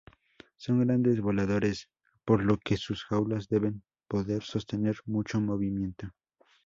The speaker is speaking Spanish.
Son grandes voladores, por lo que sus jaulas deben poder sostener mucho movimiento.